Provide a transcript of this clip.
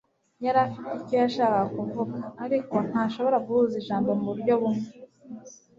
yari afite icyo yashakaga kuvuga. Ariko, ntashobora guhuza ijambo muburyo bumwe.